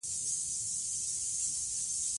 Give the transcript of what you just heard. هر کرکټر یو نوی درس لري.